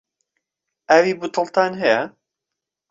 ئاوی بوتڵتان هەیە؟